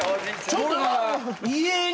ちょっと。